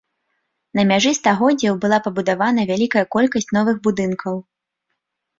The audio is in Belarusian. На мяжы стагоддзяў была пабудавана вялікая колькасць новых будынкаў.